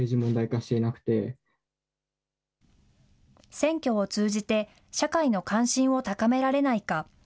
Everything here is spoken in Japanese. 選挙を通じて、社会の関心を高められないか。